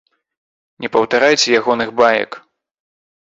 Не паўтарайце ягоных баек.